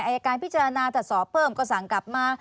อายการพิจารณาถ้าสอบเพิ่มก็สั่งกลับมา